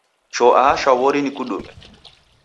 Choo aha shwaw'ori nikudume.